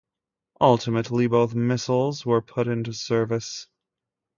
Ultimately both missiles were put into service.